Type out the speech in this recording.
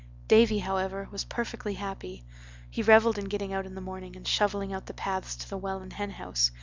Davy, however, was perfectly happy. He reveled in getting out in the morning and shoveling out the paths to the well and henhouse.